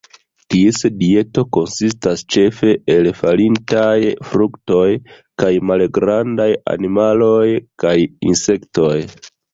Ties dieto konsistas ĉefe el falintaj fruktoj kaj malgrandaj animaloj, kaj insektoj.